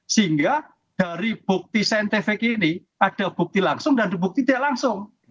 sehingga dari bukti saintifik ini ada bukti langsung dan bukti tidak langsung